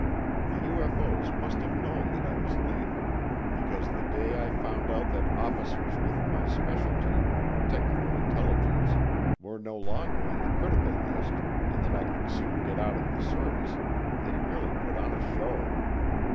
The UFO's must have known that I was leaving because the day I found out that officers with my specialty, technical intelligence, were no longer on the critical list and that I could soon get out of the service, they really put on a show.